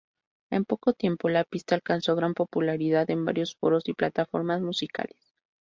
En poco tiempo la pista alcanzó gran popularidad en varios foros y plataformas musicales.